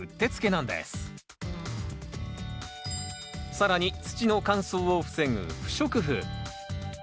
更に土の乾燥を防ぐ不織布。